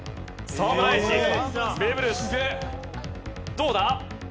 どうだ？